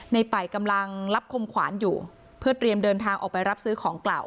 ไปกำลังรับคมขวานอยู่เพื่อเตรียมเดินทางออกไปรับซื้อของเก่า